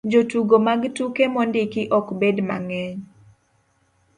jotugo mag tuke mondiki ok bed mang'eny